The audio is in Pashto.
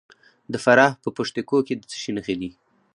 د فراه په پشت کوه کې د څه شي نښې دي؟